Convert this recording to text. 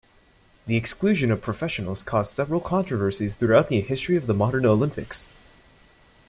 The exclusion of professionals caused several controversies throughout the history of the modern Olympics.